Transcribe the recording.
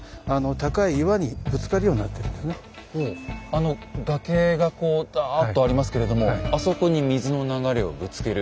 あの崖がこうだっとありますけれどもあそこに水の流れをぶつける。